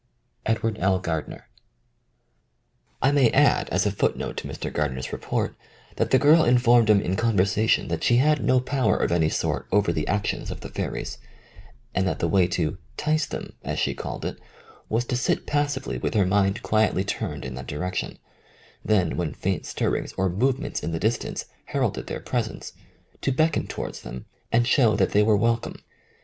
Edward L. Gardner. I may add as a footnote to Mr. Gardner's report that the girl informed him in con versation that she had no power of any sort over the actions of the fairies, and that the way to *' 'tice them," as she called it, was to sit passively with her mind quietly turned in that direction ; then, when faint stirrings or movements in the distance heralded their presence, to beckon towards them and show that they were welcome.